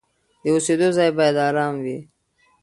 د اوسېدو ځای باید آرام وي.